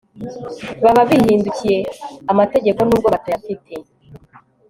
baba bihīndukiye amategeko nubwo batayafite